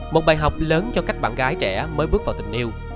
một bài học lớn cho các bạn gái trẻ mới bước vào tình yêu